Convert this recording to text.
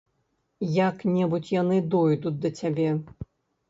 Як-небудзь яны дойдуць да цябе.